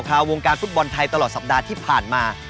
วงการฟุตบอลไทยตลอดสัปดาห์ที่ผ่านมา